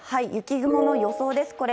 雪雲の予想です。